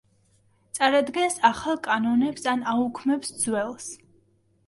წარადგენს ახალ კანონებს ან აუქმებს ძველს.